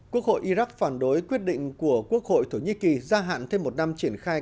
quốc hội iraq phản đối quyết định của quốc hội thổ nhĩ kỳ gia hạn thêm một năm triển khai